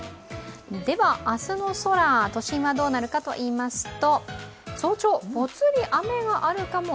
では明日の空、都心はどうなるかといいますと、早朝、ポツリ雨があるかも。